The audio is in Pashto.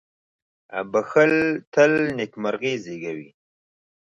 • بښل تل نېکمرغي زېږوي.